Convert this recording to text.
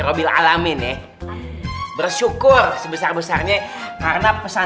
tapi kalian cari bayinya di uks